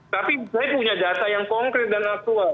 tapi saya punya data yang konkret dan aktual